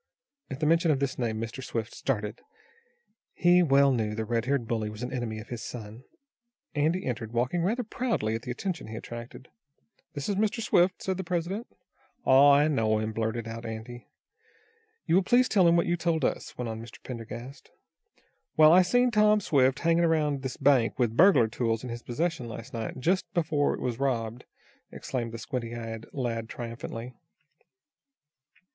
At the mention of this name, Mr. Swift started. He well knew the red haired bully was an enemy of his son. Andy entered, walking rather proudly at the attention he attracted. "This is Mr. Swift," said the president. "Aw, I know him," blurted out Andy. "You will please tell him what you told us," went on Mr. Pendergast. "Well, I seen Tom Swift hanging around this bank with burglar tools in his possession last night, just before it was robbed," exclaimed the squint eyed lad triumphantly.